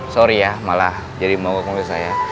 sorry ya malah jadi bawa ke mobil saya